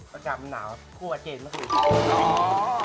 ประจำหนาวคั่วเจนเมื่อกี้